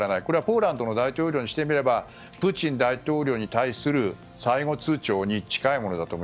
これはポーランドの大統領にしてみればプーチン大統領に対する最後通牒になる。